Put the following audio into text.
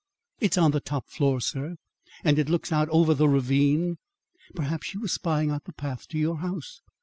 "It's on the top floor, sir; and it looks out over the ravine. Perhaps she was spying out the path to your house."